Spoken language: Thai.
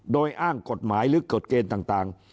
โดยอ้างกฎหมายหรือกฎเกณฑ์ต่าง